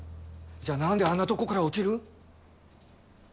じゃあ何であんなとこから落ちる。